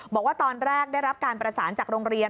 บอกว่าตอนแรกได้รับการประสานจากโรงเรียน